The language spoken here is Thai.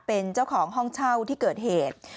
เป็นเจ้าของห้องเช่าที่เกิดเหตุ